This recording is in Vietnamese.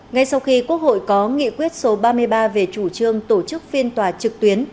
ngay sau khi quốc hội có nghị quyết số ba mươi ba về chủ trương tổ chức phiên tòa trực tuyến